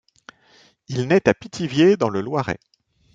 Il naît à Pithiviers, dans le Loiret.